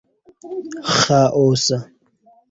ĥaosa